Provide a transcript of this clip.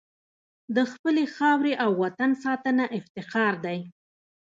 د خپلې خاورې او وطن ساتنه افتخار دی.